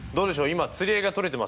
今釣り合いが取れてます。